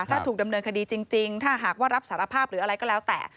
ถ้าถูกดำเนินคดีจริงถ้าหากว่ารับสารภาพหรืออะไรก็แล้วแต่